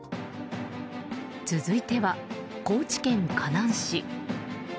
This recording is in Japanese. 続いては高知県香南市。